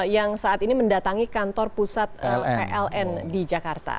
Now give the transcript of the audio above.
yang saat ini mendatangi kantor pusat pln di jakarta